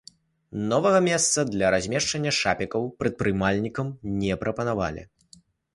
Новага месца для размяшчэння шапікаў прадпрымальнікам не прапанавалі.